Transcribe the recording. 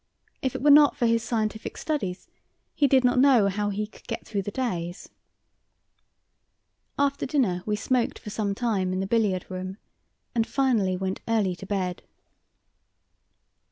If it were not for his scientific studies, he did not know how he could get through the days. After dinner we smoked for some time in the billiard room, and finally went early to bed.